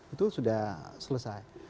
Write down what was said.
itu sudah selesai